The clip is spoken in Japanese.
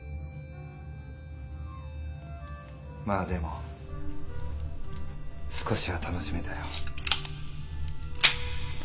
まあでも少しは楽しめたよ。